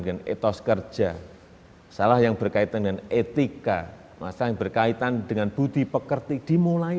dengan etos kerja salah yang berkaitan dengan etika masalah yang berkaitan dengan budi pekerti dimulai